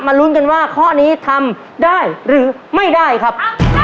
ลุ้นกันว่าข้อนี้ทำได้หรือไม่ได้ครับ